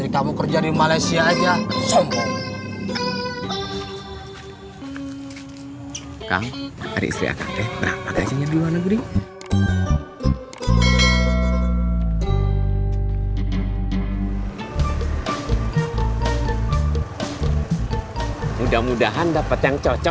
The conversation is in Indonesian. mau cerai sama bapak kamu